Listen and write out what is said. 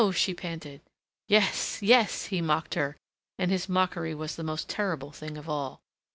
she panted. "Yes, yes," he mocked her, and his mockery was the most terrible thing of all.